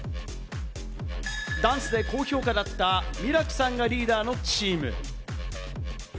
ダンスで高評価だったミラクさんがリーダーのチーム。